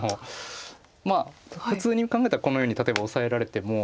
まあ普通に考えたらこのように例えばオサえられても。